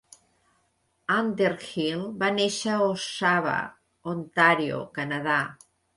Underhill va néixer a Oshawa, Ontario, Canadà.